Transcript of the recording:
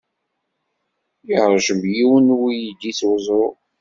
Yeṛjem yiwen n weydi s weẓru.